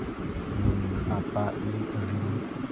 Lung aa pah i a ril.